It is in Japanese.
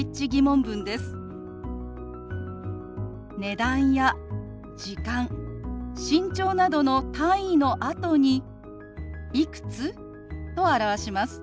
値段や時間身長などの単位のあとに「いくつ？」と表します。